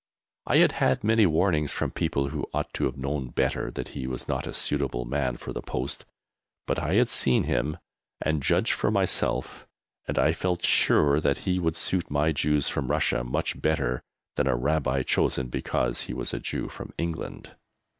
I had had many warnings from people who ought to have known better that he was not a suitable man for the post, but I had seen him and judged for myself, and I felt sure that he would suit my Jews from Russia much better than a Rabbi chosen because he was a Jew from England.